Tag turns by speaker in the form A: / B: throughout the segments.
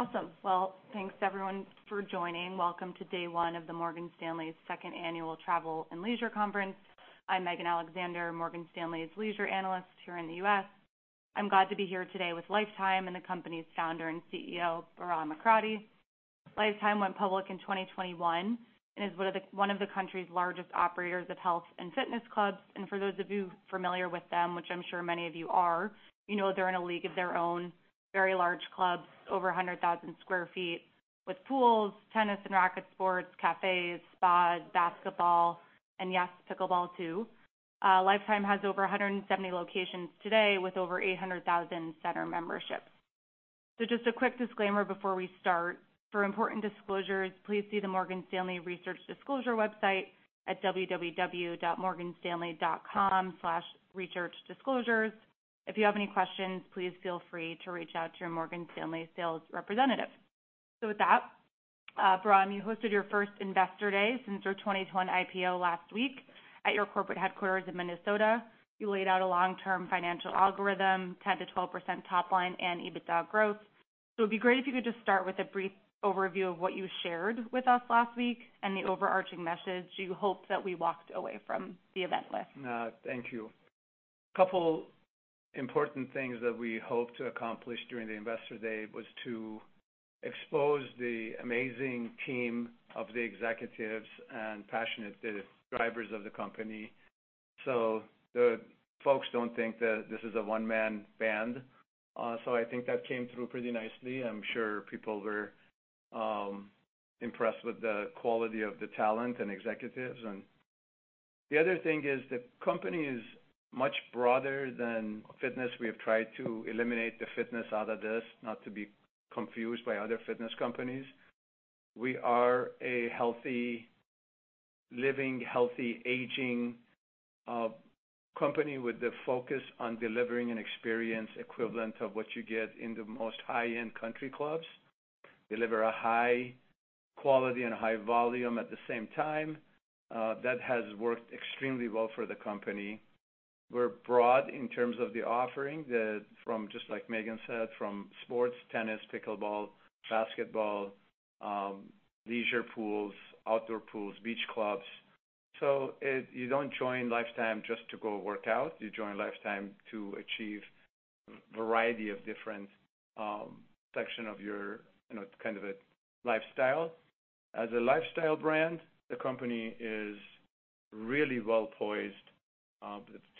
A: Awesome! Well, thanks everyone for joining. Welcome to day one of the Morgan Stanley's Second Annual Travel and Leisure Conference. I'm Megan Alexander, Morgan Stanley's Leisure Analyst here in the U.S. I'm glad to be here today with Life Time and the company's Founder and CEO, Bahram Akradi. Life Time went public in 2021, and one of the country's largest operators of health and fitness clubs. And for those of you familiar with them, which I'm sure many of you are, you know they're in a league of their own. Very large clubs, over 100,000 sq ft, with pools, tennis and racket sports, cafes, spas, basketball, and yes, pickleball too. Life Time has over 170 locations today with over 800,000 center memberships. So just a quick disclaimer before we start. For important disclosures, please see the Morgan Stanley Research Disclosure website at www.morganstanley.com/researchdisclosures. If you have any questions, please feel free to reach out to your Morgan Stanley sales representative. So with that, Bahram, you hosted your first Investor Day since your 2021 IPO last week at your corporate headquarters in Minnesota. You laid out a long-term financial algorithm, 10%-12% top line and EBITDA growth. So it'd be great if you could just start with a brief overview of what you shared with us last week, and the overarching message you hope that we walked away from the event with.
B: Thank you. Couple important things that we hoped to accomplish during the Investor Day was to expose the amazing team of the executives and passionate distributors of the company, so the folks don't think that this is a one-man band. So I think that came through pretty nicely. I'm sure people were impressed with the quality of the talent and executives. And the other thing is, the company is much broader than fitness. We have tried to eliminate the fitness out of this, not to be confused by other fitness companies. We are a healthy living, healthy aging, company with the focus on delivering an experience equivalent of what you get in the most high-end country clubs. Deliver a high quality and high volume at the same time. That has worked extremely well for the company. We're broad in terms of the offering, from, just like Megan said, from sports, tennis, pickleball, basketball, leisure pools, outdoor pools, beach clubs. So it. You don't join Life Time just to go work out, you join Life Time to achieve a variety of different, section of your, you know, kind of a lifestyle. As a lifestyle brand, the company is really well poised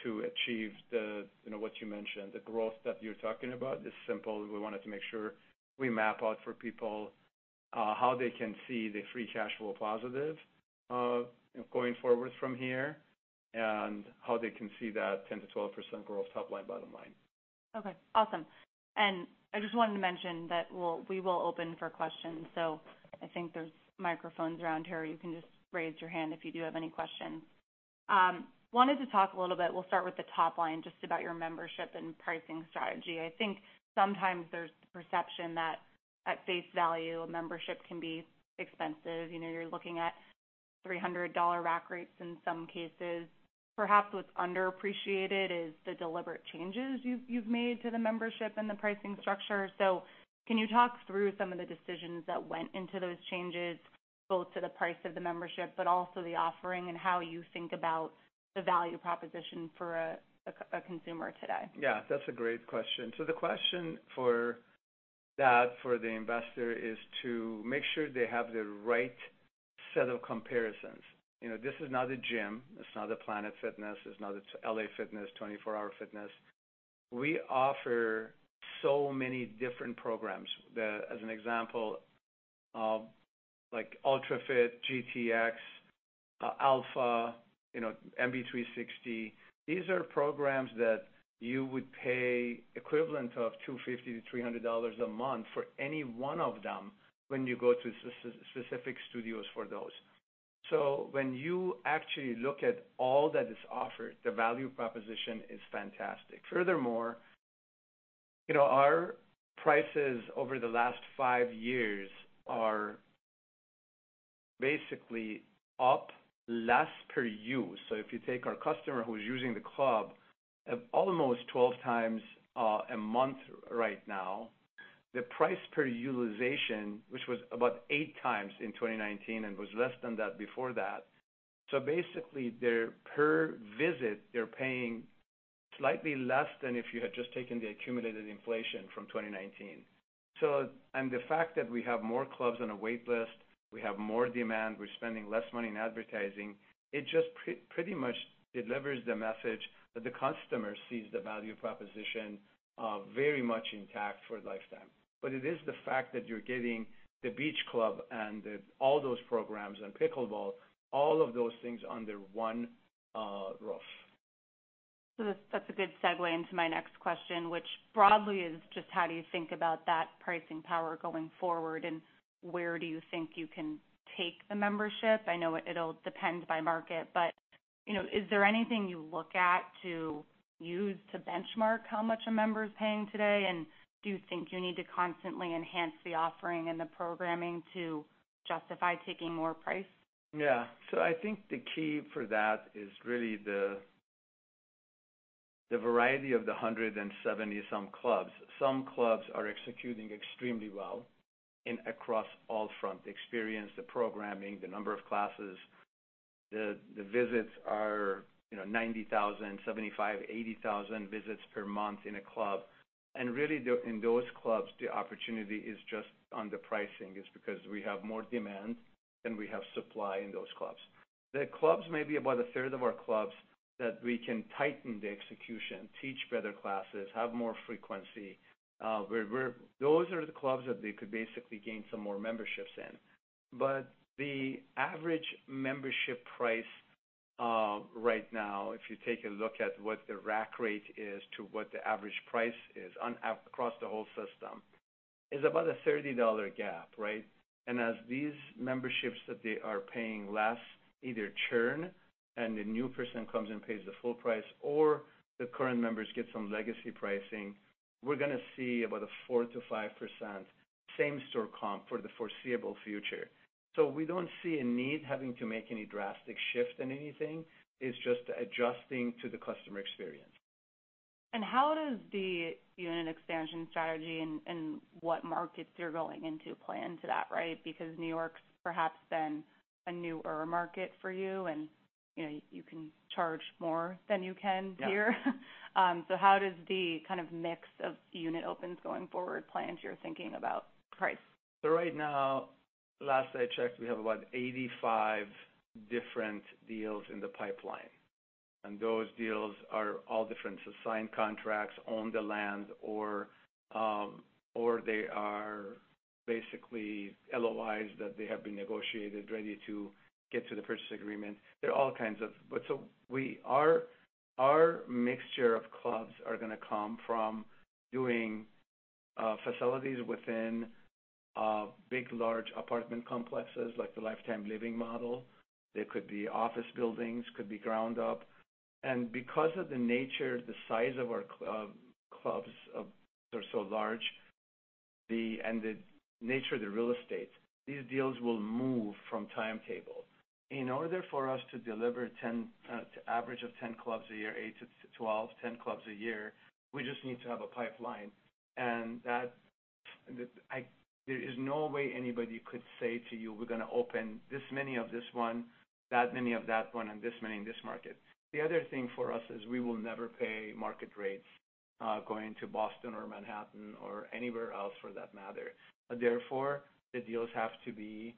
B: to achieve the, you know, what you mentioned, the growth that you're talking about. It's simple. We wanted to make sure we map out for people how they can see the free cash flow positive going forward from here, and how they can see that 10%-12% growth, top line, bottom line.
A: Okay, awesome. And I just wanted to mention that we'll— we will open for questions, so I think there's microphones around here. You can just raise your hand if you do have any questions. Wanted to talk a little bit, we'll start with the top line, just about your membership and pricing strategy. I think sometimes there's the perception that at face value, a membership can be expensive. You know, you're looking at $300 rack rates in some cases. Perhaps what's underappreciated is the deliberate changes you've made to the membership and the pricing structure. So can you talk through some of the decisions that went into those changes, both to the price of the membership, but also the offering, and how you think about the value proposition for a consumer today?
B: Yeah, that's a great question. So the question for that, for the investor, is to make sure they have the right set of comparisons. You know, this is not a gym, it's not a Planet Fitness, it's not an LA Fitness, 24 Hour Fitness. We offer so many different programs. As an example, like Ultra Fit, GTX, Alpha, you know, MB360. These are programs that you would pay equivalent of $250-$300 a month for any one of them when you go to specific studios for those. So when you actually look at all that is offered, the value proposition is fantastic. Furthermore, you know, our prices over the last five years are basically up less per use. So if you take our customer who is using the club almost 12 times a month right now, the price per utilization, which was about eight times in 2019 and was less than that before that. So basically, their per visit, they're paying slightly less than if you had just taken the accumulated inflation from 2019. So... and the fact that we have more clubs on a wait list, we have more demand, we're spending less money in advertising, it just pretty much delivers the message that the customer sees the value proposition very much intact for Life Time. But it is the fact that you're getting the beach club and the all those programs and pickleball, all of those things under one roof.
A: So that's a good segue into my next question, which broadly is just, how do you think about that pricing power going forward, and where do you think you can take the membership? I know it'll depend by market, but, you know, is there anything you look at to use to benchmark how much a member is paying today? And do you think you need to constantly enhance the offering and the programming to justify taking more price?
B: Yeah. So I think the key for that is really the variety of the 170-some clubs, some clubs are executing extremely well across all fronts, the experience, the programming, the number of classes. The visits are, you know, 90,000, 75,000, 80,000 visits per month in a club. And really, in those clubs, the opportunity is just on the pricing, because we have more demand than we have supply in those clubs. The clubs may be about 1/3 of our clubs that we can tighten the execution, teach better classes, have more frequency. Those are the clubs that they could basically gain some more memberships in. But the average membership price, right now, if you take a look at what the rack rate is to what the average price is across the whole system, is about a $30 gap, right? And as these memberships that they are paying less, either churn and a new person comes and pays the full price, or the current members get some legacy pricing, we're gonna see about a 4%-5% same-store comp for the foreseeable future. So we don't see a need having to make any drastic shift in anything. It's just adjusting to the customer experience.
A: And how does the unit expansion strategy and what markets you're going into play into that, right? Because New York's perhaps been a newer market for you, and, you know, you can charge more than you can here.
B: Yeah.
A: So how does the kind of mix of unit opens going forward play into your thinking about price?
B: So right now, last I checked, we have about 85 different deals in the pipeline, and those deals are all different. So signed contracts, own the land, or they are basically LOIs that they have been negotiated, ready to get to the purchase agreement. There are all kinds of... but so we are, our mixture of clubs are gonna come from doing facilities within big, large apartment complexes, like the Life Time Living model. They could be office buildings, could be ground up. And because of the nature, the size of our clubs are so large, and the nature of the real estate, these deals will move from timetable. In order for us to deliver to average of 10 clubs a year, 8-12, 10 clubs a year, we just need to have a pipeline. And there is no way anybody could say to you, we're gonna open this many of this one, that many of that one, and this many in this market. The other thing for us is we will never pay market rates, going to Boston or Manhattan or anywhere else for that matter. Therefore, the deals have to be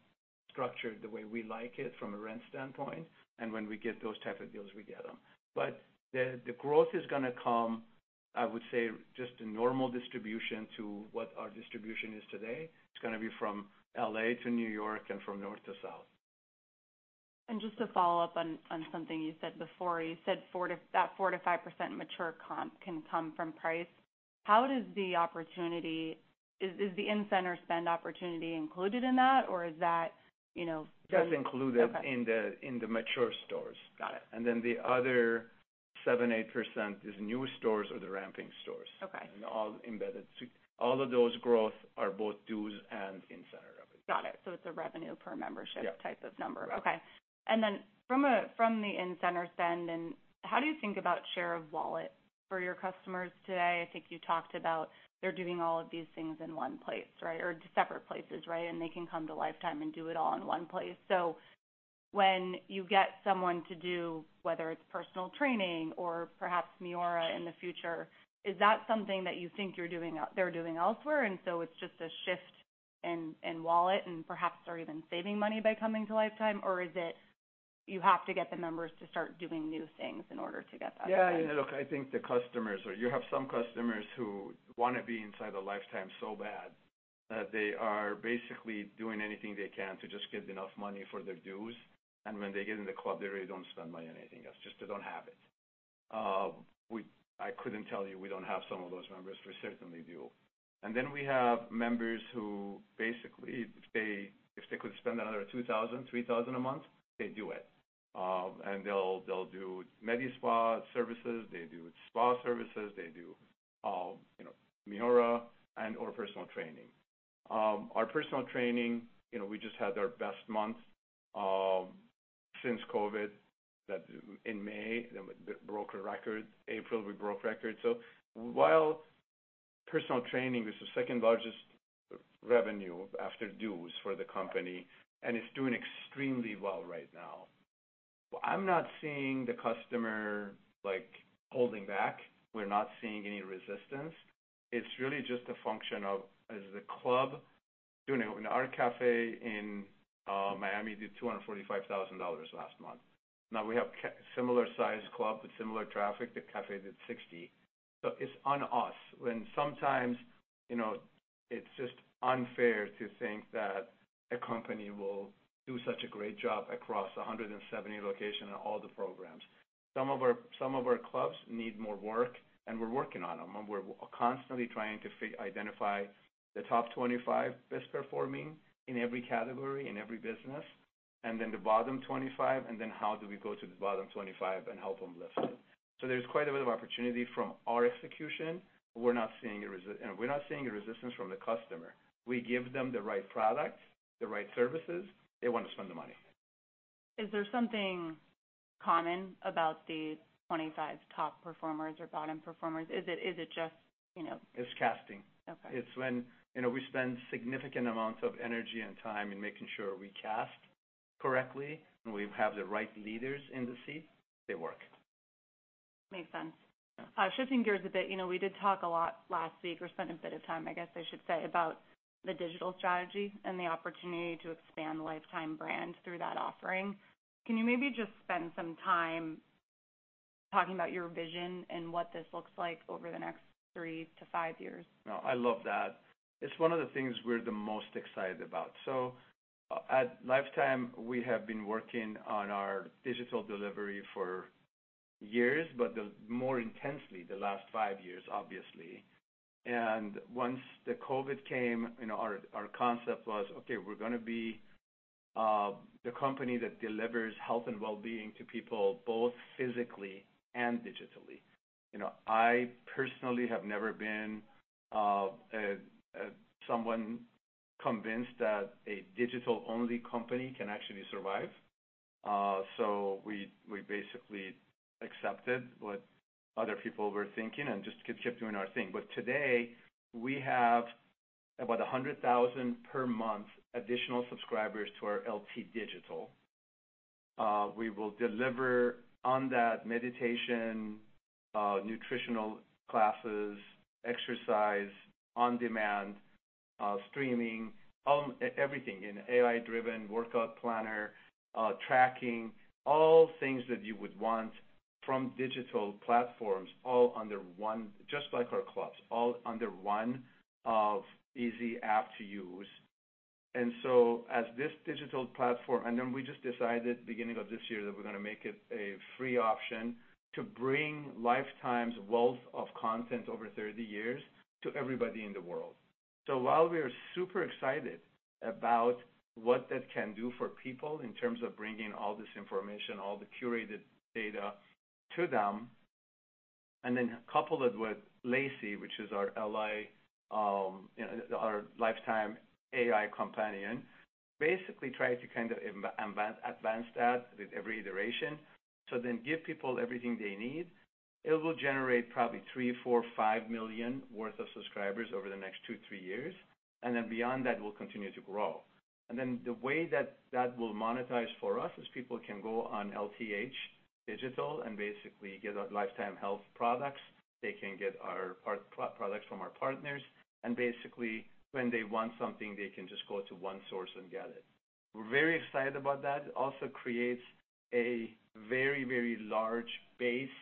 B: structured the way we like it from a rent standpoint, and when we get those type of deals, we get them. But the growth is gonna come, I would say, just a normal distribution to what our distribution is today. It's gonna be from LA to New York and from north to south.
A: Just to follow up on something you said before, you said 4%-5% mature comp can come from price. How does the opportunity... is the in-center spend opportunity included in that, or is that, you know-
B: That's included-
A: Okay...
B: in the mature stores.
A: Got it.
B: And then the other 7%, 8% is new stores or the ramping stores.
A: Okay.
B: All embedded. All of those growth are both dues and in-center revenue.
A: Got it. So it's a revenue per membership-
B: Yeah
A: -type of number.
B: Right.
A: Okay. And then from the in-center spend, and how do you think about share of wallet for your customers today? I think you talked about they're doing all of these things in one place, right? Or separate places, right? And they can come to Life Time and do it all in one place. So when you get someone to do, whether it's personal training or perhaps MIORA in the future, is that something that you think you're doing, they're doing elsewhere, and so it's just a shift in wallet and perhaps they're even saving money by coming to Life Time? Or is it, you have to get the members to start doing new things in order to get that?
B: Yeah, look, I think the customers, or you have some customers who wanna be inside the Life Time so bad, that they are basically doing anything they can to just get enough money for their dues. And when they get in the club, they really don't spend money on anything else, just they don't have it. We— I couldn't tell you, we don't have some of those members, we certainly do. And then we have members who basically, if they could spend another $2,000, $3,000 a month, they do it. And they'll do medi spa services, they do spa services, they do, you know, MIORA and/or personal training. Our personal training, you know, we just had our best month since COVID, that in May broke a record. April, we broke records. So while personal training is the second-largest revenue after dues for the company, and it's doing extremely well right now, I'm not seeing the customer, like, holding back. We're not seeing any resistance. It's really just a function of, as the club doing. Our cafe in Miami did $245,000 last month. Now we have a similar sized club with similar traffic, the cafe did $60,000. So it's on us. When sometimes, you know, it's just unfair to think that a company will do such a great job across 170 locations and all the programs. Some of our clubs need more work, and we're working on them. We're constantly trying to identify the top 25 best performing in every category, in every business, and then the bottom 25, and then how do we go to the bottom 25 and help them lift it? There's quite a bit of opportunity from our execution. We're not seeing a resistance from the customer. We give them the right products, the right services, they want to spend the money.
A: Is there something common about the 25 top performers or bottom performers? Is it just, you know-
B: It's casting.
A: Okay.
B: It's when, you know, we spend significant amounts of energy and time in making sure we cast correctly, and we have the right leaders in the seat. They work.
A: Makes sense. Shifting gears a bit, you know, we did talk a lot last week, or spent a bit of time, I guess I should say, about the digital strategy and the opportunity to expand Life Time brand through that offering. Can you maybe just spend some time talking about your vision and what this looks like over the next three to five years?
B: No, I love that. It's one of the things we're the most excited about. So at Life Time, we have been working on our digital delivery for years, but the more intensely, the last five years, obviously. And once the COVID came, you know, our concept was, okay, we're gonna be the company that delivers health and wellbeing to people, both physically and digitally. You know, I personally have never been someone convinced that a digital-only company can actually survive. So we basically accepted what other people were thinking and just keep doing our thing. But today, we have about 100,000 per month additional subscribers to our LT Digital. We will deliver on that meditation, nutritional classes, exercise, on-demand, streaming, everything, an AI-driven workout planner, tracking, all things that you would want from digital platforms, all under one, just like our clubs, all under one easy app to use. And so as this digital platform— and then we just decided at the beginning of this year that we're gonna make it a free option to bring Life Time's wealth of content over 30 years to everybody in the world. So while we are super excited about what that can do for people in terms of bringing all this information, all the curated data to them, and then couple it with Lacey, which is our L.AI.C, you know, our Life Time AI Companion, basically try to kind of advance that with every iteration, so then give people everything they need. It will generate probably 3 million, 4 million, 5 million worth of subscribers over the next 2, 3 years, and then beyond that, we'll continue to grow. And then the way that that will monetize for us is people can go on LTH Digital and basically get our Life Time Health products. They can get our partner products from our partners, and basically, when they want something, they can just go to one source and get it. We're very excited about that. It also creates a very, very large base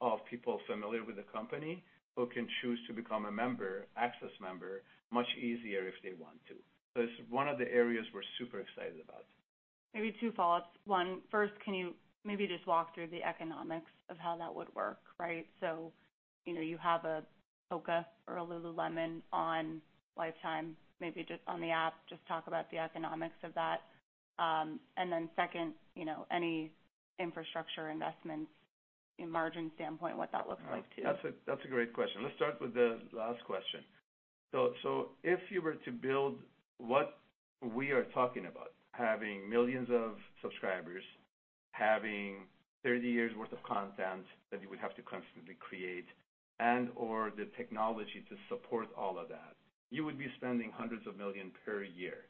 B: of people familiar with the company, who can choose to become a member, access member, much easier if they want to. So it's one of the areas we're super excited about.
A: Maybe two follow-ups. One, first, can you maybe just walk through the economics of how that would work, right? So, you know, you have a HOKA or a Lululemon on Life Time, maybe just on the app, just talk about the economics of that. And then second, you know, any infrastructure investments in margin standpoint, what that looks like, too.
B: That's a great question. Let's start with the last question. So, if you were to build what we are talking about, having millions of subscribers, having 30 years' worth of content that you would have to constantly create, and/or the technology to support all of that, you would be spending hundreds of millions per year.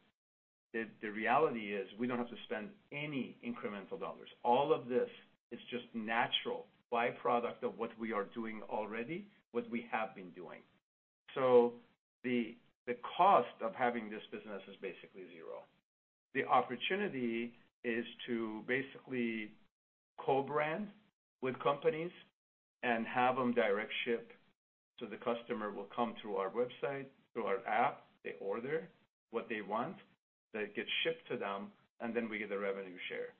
B: The reality is, we don't have to spend any incremental dollars. All of this is just natural byproduct of what we are doing already, what we have been doing. So the cost of having this business is basically zero. The opportunity is to basically co-brand with companies and have them direct ship, so the customer will come through our website, through our app. They order what they want, that gets shipped to them, and then we get a revenue share.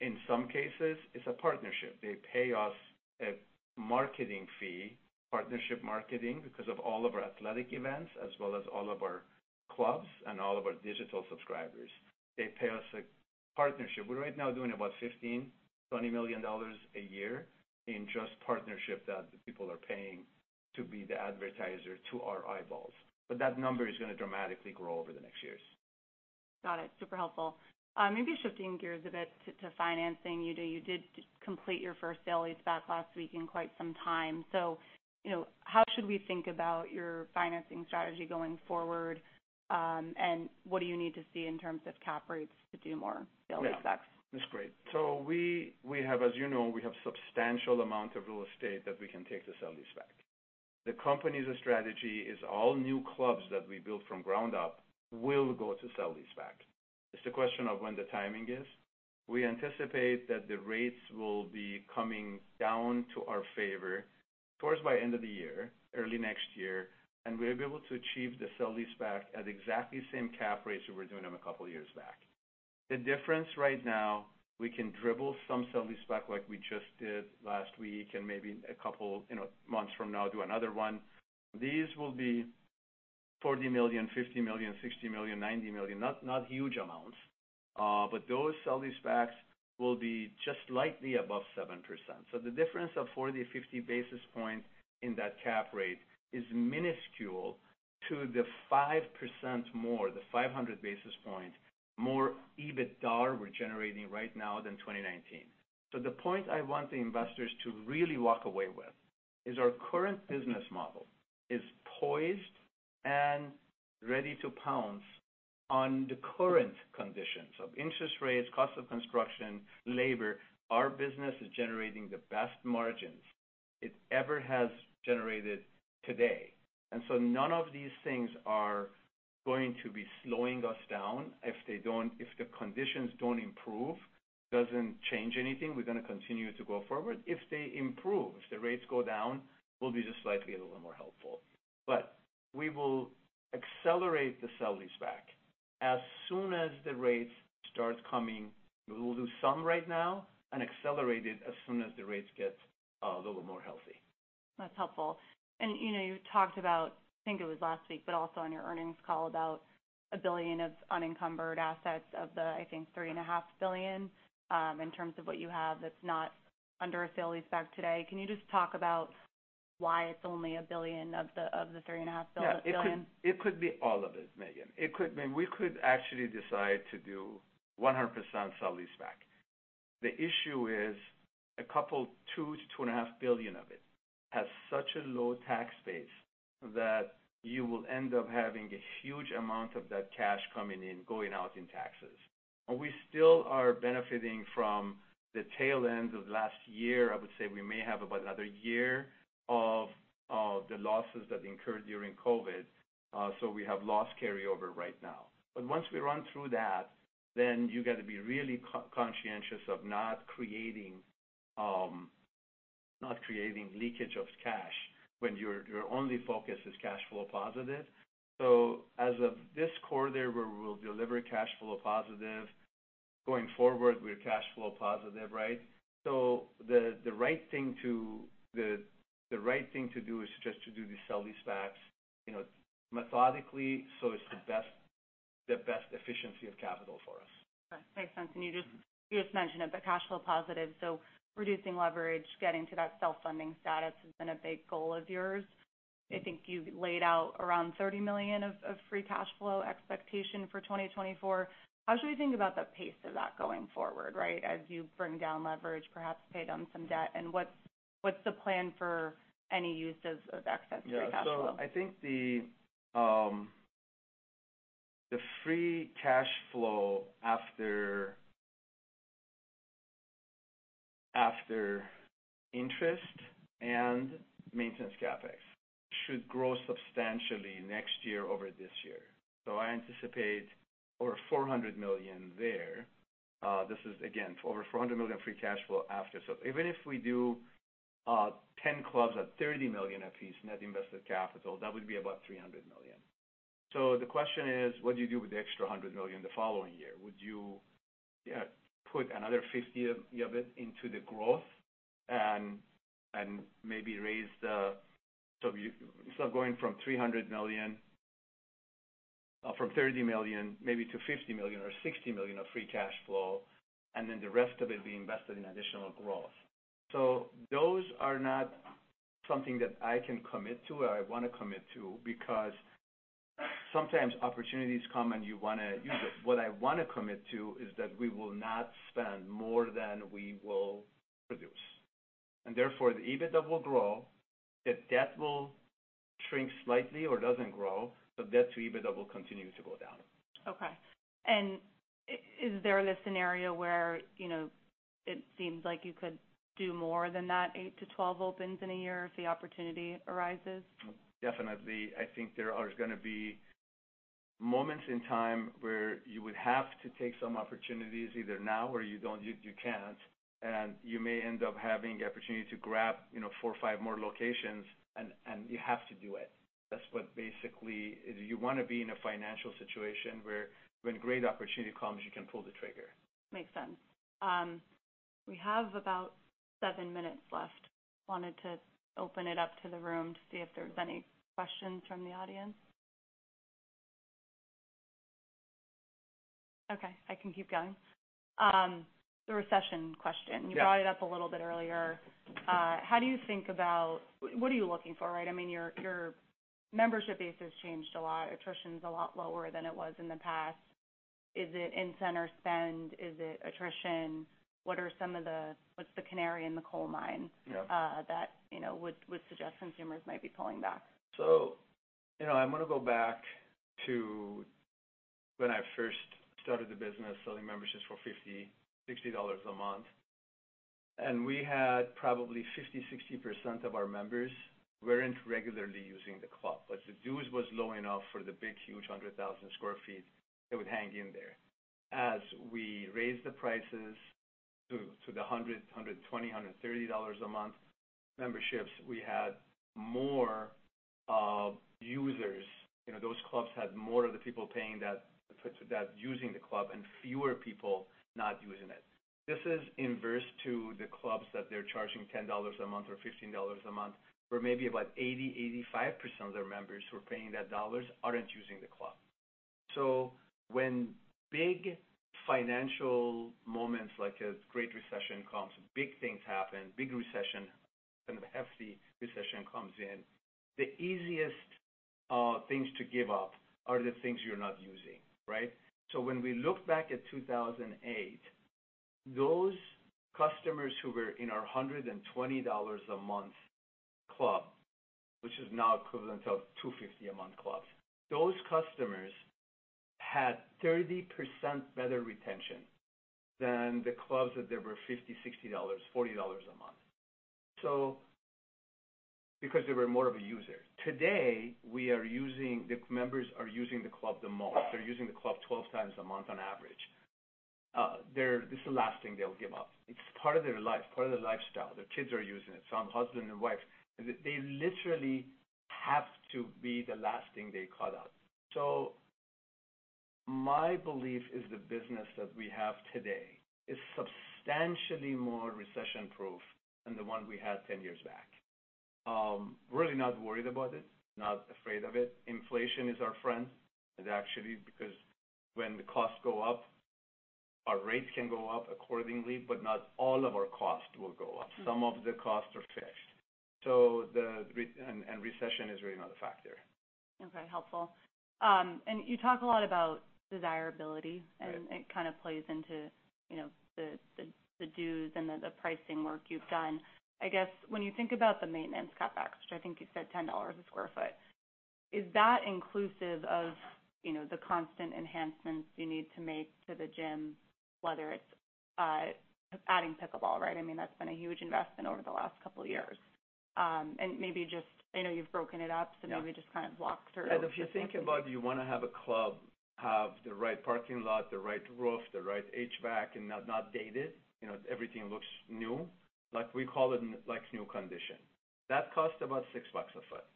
B: In some cases, it's a partnership. They pay us a marketing fee, partnership marketing, because of all of our athletic events, as well as all of our clubs and all of our digital subscribers. They pay us a partnership. We're right now doing about $15 million, $20 million a year in just partnership that the people are paying to be the advertiser to our eyeballs, but that number is gonna dramatically grow over the next years.
A: Got it. Super helpful. Maybe shifting gears a bit to financing. You know, you did complete your first sale-leaseback last week in quite some time. So, you know, how should we think about your financing strategy going forward, and what do you need to see in terms of cap rates to do more sale-leasebacks?
B: Yeah, that's great. So we have, as you know, a substantial amount of real estate that we can take to sale-leaseback. The company's strategy is all new clubs that we build from ground up will go to sale-leaseback. It's a question of when the timing is. We anticipate that the rates will be coming down to our favor towards by end of the year, early next year, and we'll be able to achieve the sale-leaseback at exactly the same cap rates we were doing them a couple of years back. The difference right now, we can dribble some sale-leaseback like we just did last week, and maybe in a couple, you know, months from now, do another one. These will be $40 million, $50 million, $60 million, $90 million. Not, not huge amounts, but those sale-leasebacks will be just slightly above 7%. So the difference of 40, 50 basis points in that cap rate is minuscule to the 5% more, the 500 basis point, more EBITDA we're generating right now than 2019. So the point I want the investors to really walk away with is our current business model is poised and ready to pounce on the current conditions of interest rates, cost of construction, labor. Our business is generating the best margins it ever has generated today, and so none of these things are going to be slowing us down. If they don't— if the conditions don't improve, doesn't change anything, we're gonna continue to go forward. If they improve, if the rates go down, we'll be just slightly a little more helpful. But we will accelerate the sale-leaseback as soon as the rates start coming. We will do some right now and accelerate it as soon as the rates get a little more healthy.
A: That's helpful. You know, you talked about, I think it was last week, but also on your earnings call, about $1 billion of unencumbered assets of the, I think, $3.5 billion in terms of what you have, that's not under a sale-leaseback today. Can you just talk about why it's only $1 billion of the $3.5 billion?
B: Yeah. It could, it could be all of it, Megan. It could mean we could actually decide to do 100% sale-leaseback. The issue is a couple, $2 billion, $2.5 billion of it, has such a low tax base that you will end up having a huge amount of that cash coming in, going out in taxes. And we still are benefiting from the tail end of last year. I would say we may have about another year of the losses that incurred during COVID, so we have loss carryover right now. But once we run through that, then you got to be really conscientious of not creating leakage of cash when your only focus is cash flow positive. So as of this quarter, we'll deliver cash flow positive. Going forward, we're cash flow positive, right? The right thing to do is just to do the sale-leasebacks, you know, methodically, so it's the best efficiency of capital foru s.
A: Makes sense. And you just mentioned, but cash flow positive, so reducing leverage, getting to that self-funding status has been a big goal of yours. I think you've laid out around $30 million of free cash flow expectation for 2024. How should we think about the pace of that going forward, right, as you bring down leverage, perhaps pay down some debt, and what's the plan for any use of excess free cash flow?
B: Yeah. So I think the free cash flow after interest and maintenance CapEx should grow substantially next year over this year. So I anticipate over $400 million there. This is again, over $400 million free cash flow after. So even if we do, 10 clubs at $30 million a piece, net invested capital, that would be about $300 million. So the question is, what do you do with the extra $100 million the following year? Would you, put another $50 million of it into the growth and maybe raise the... so you - so going from $300 million, from $30 million, maybe to $50 million or $60 million of free cash flow, and then the rest of it being invested in additional growth. Those are not something that I can commit to, or I want to commit to, because sometimes opportunities come and you wanna use it. What I wanna commit to is that we will not spend more than we will produce, and therefore, the EBITDA will grow, the debt will shrink slightly or doesn't grow, so debt to EBITDA will continue to go down.
A: Okay. And is there a scenario where, you know, it seems like you could do more than that 8-12 opens in a year if the opportunity arises?
B: Definitely. I think there are gonna be moments in time where you would have to take some opportunities either now or you don't - you can't, and you may end up having the opportunity to grab, you know, four or five more locations, and you have to do it. That's what basically... you wanna be in a financial situation where when great opportunity comes, you can pull the trigger.
A: Makes sense. We have about seven minutes left. Wanted to open it up to the room to see if there's any questions from the audience? Okay, I can keep going. The recession question-
B: Yeah.
A: You brought it up a little bit earlier. How do you think about... what are you looking for, right? I mean, your membership base has changed a lot. Attrition is a lot lower than it was in the past. Is it in-center spend? Is it attrition? What are some of the - what's the canary in the coal mine-
B: Yeah...
A: that, you know, would suggest consumers might be pulling back?
B: So, you know, I'm gonna go back to when I first started the business, selling memberships for $50, $60 a month, and we had probably 50%, 60% of our members weren't regularly using the club. But the dues was low enough for the big, huge 100,000 sq ft, they would hang in there. As we raised the prices to the $100, $120, $130 a month memberships, we had more users. You know, those clubs had more of the people paying that, put to that, using the club and fewer people not using it. This is inverse to the clubs that they're charging $10 a month or $15 a month, where maybe about 80%, 85% of their members who are paying that dollars aren't using the club. So when big financial moments, like a great recession comes, big things happen, big recession, kind of a hefty recession comes in, the easiest things to give up are the things you're not using, right? So when we look back at 2008, those customers who were in our $120-a-month club, which is now equivalent of $250-a-month clubs, those customers had 30% better retention than the clubs that they were $50, $60, $40 a month. So because they were more of a user. Today, the members are using the club the most. They're using the club 12 times a month on average. This is the last thing they'll give up. It's part of their life, part of their lifestyle. Their kids are using it, some husband and wife. They literally have to be the last thing they cut out. So my belief is the business that we have today is substantially more recession-proof than the one we had 10 years back. Really not worried about it, not afraid of it. Inflation is our friend, and actually, because when the costs go up, our rates can go up accordingly, but not all of our costs will go up. Some of the costs are fixed, so the— and recession is really not a factor.
A: Okay, helpful. And you talk a lot about desirability-
B: Right.
A: And it kind of plays into, you know, the dues and the pricing work you've done. I guess when you think about the maintenance CapEx, which I think you said $10 a sq ft, is that inclusive of, you know, the constant enhancements you need to make to the gym, whether it's adding pickleball, right? I mean, that's been a huge investment over the last couple of years. And maybe just, I know you've broken it up-
B: Yeah.
A: So maybe just kind of walk through.
B: If you think about, you wanna have a club, have the right parking lot, the right roof, the right HVAC, and not dated, you know, everything looks new, like we call it like new condition. That costs about $6 a foot.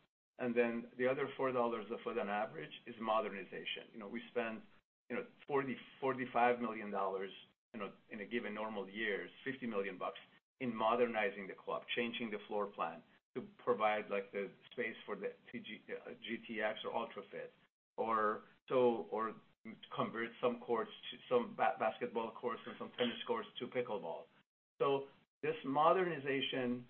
B: Then the other $4 a foot on average is modernization. You know, we spend, you know, $40 million, $45 million in a given normal year, $50 million in modernizing the club, changing the floor plan to provide, like, the space for the GTX or Ultra Fit, or convert some courts, some basketball courts or some tennis courts to pickleball. So this modernization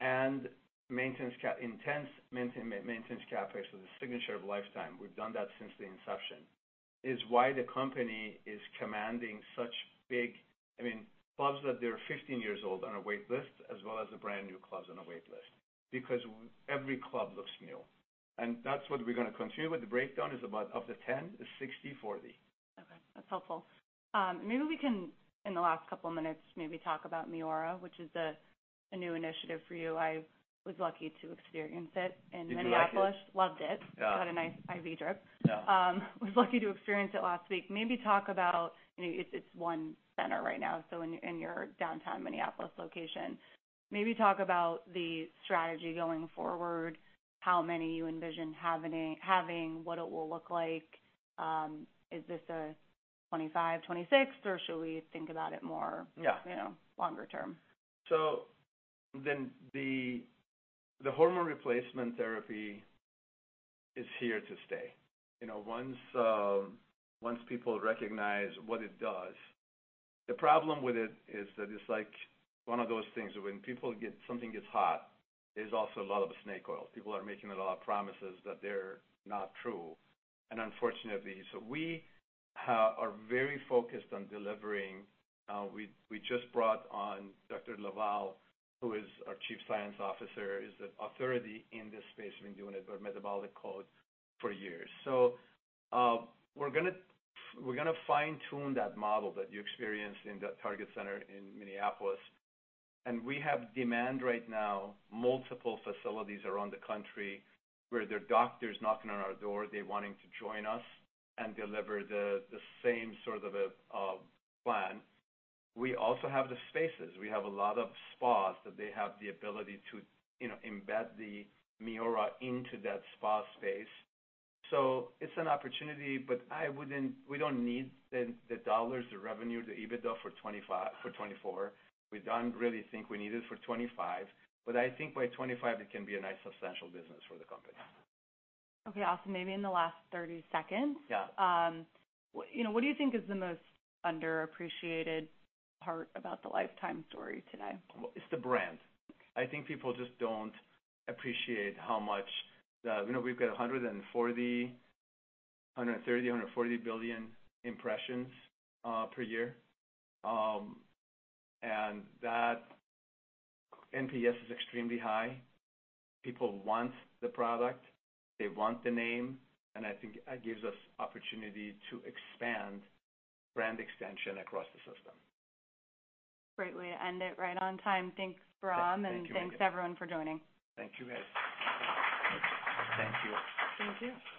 B: and maintenance Ca— intense maintenance CapEx is a signature of Life Time. We've done that since the inception. Is why the company is commanding such big... I mean, clubs that they're 15 years old on a wait list, as well as the brand new clubs on a wait list, because every club looks new. That's what we're gonna continue with. The breakdown is about, of the 10, is 60/40.
A: Okay, that's helpful. Maybe we can, in the last couple of minutes, maybe talk about MIORA, which is a new initiative for you. I was lucky to experience it in Minneapolis.
B: Did you like it?
A: Loved it.
B: Yeah.
A: Had a nice IV drip.
B: Yeah.
A: Was lucky to experience it last week. Maybe talk about, you know, it's one center right now, so in your downtown Minneapolis location. Maybe talk about the strategy going forward, how many you envision having, what it will look like? Is this a 2025, 2026, or should we think about it more-
B: Yeah...
A: you know, longer term?
B: So then the hormone replacement therapy is here to stay. You know, once people recognize what it does, the problem with it is that it's like one of those things, when something gets hot, there's also a lot of snake oil. People are making a lot of promises that they're not true. And unfortunately... so we are very focused on delivering. We just brought on Dr. LaValle, who is our Chief Science Officer, is the authority in this space. We've been doing it with Metabolic Code for years. So we're gonna fine-tune that model that you experienced in that Target Center in Minneapolis. And we have demand right now, multiple facilities around the country, where there are doctors knocking on our door, they're wanting to join us and deliver the same sort of plan. We also have the spaces. We have a lot of spas that they have the ability to, you know, embed the MIORA into that spa space. So it's an opportunity, but I wouldn't— we don't need the dollars, the revenue, the EBITDA for 2024. We don't really think we need it for 2025, but I think by 2025, it can be a nice, substantial business for the company.
A: Okay, awesome. Maybe in the last 30 seconds-
B: Yeah.
A: You know, what do you think is the most underappreciated part about the Life Time story today?
B: It's the brand. I think people just don't appreciate how much the... you know, we've got 140 billion, 130 billion, 140 billion impressions per year. And that NPS is extremely high. People want the product, they want the name, and I think that gives us opportunity to expand brand extension across the system.
A: Great way to end it, right on time. Thanks, Bahram-
B: Yeah. Thank you.
A: Thanks, everyone, for joining.
B: Thank you, guys. Thank you.
A: Thank you.